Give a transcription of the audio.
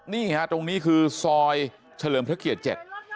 นี่ฮะตรงนี้คือซอยเฉลิมพระเกียรติเจ็ด